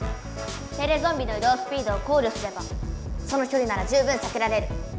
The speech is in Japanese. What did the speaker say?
テレゾンビのいどうスピードを考慮すればそのきょりなら十分さけられる。